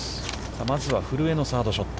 まずは古江のサードショット。